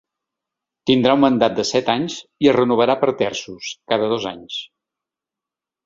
Tindrà un mandat de set anys i es renovarà per terços, cada dos anys.